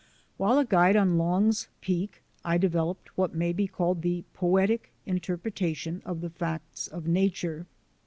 While a guide on Longs Peak I developed what may be called the poetic interpretation of the facts of nature.